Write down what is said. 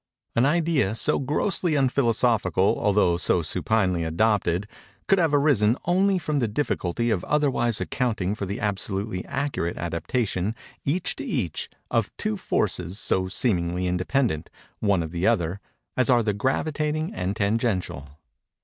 An idea so grossly unphilosophical, although so supinely adopted, could have arisen only from the difficulty of otherwise accounting for the absolutely accurate adaptation, each to each, of two forces so seemingly independent, one of the other, as are the gravitating and tangential.